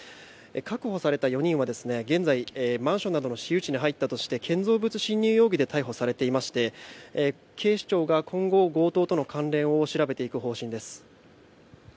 確保された４人は現在マンションなどの私有地に入ったとして建造物等侵入容疑で逮捕されていまして警視庁が今後、強盗との関連を調べていく方針です。